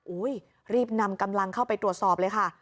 รีบนำกำลังเข้าไปตรวจสอบเลยค่ะ